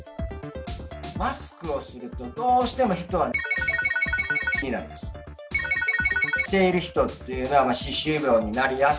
マスクをするとどうしても人は×××になります。